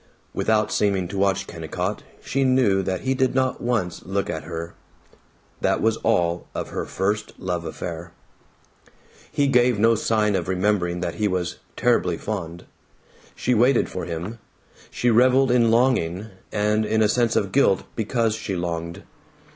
Without seeming to watch Kennicott, she knew that he did not once look at her. That was all of her first love affair. He gave no sign of remembering that he was "terribly fond." She waited for him; she reveled in longing, and in a sense of guilt because she longed.